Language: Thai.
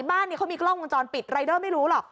บ้านนี้เขามีกล้องวงจรปิดรายเดอร์ไม่รู้หรอก